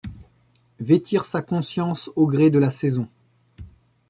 Vêtir sa conscience au gré de la saison !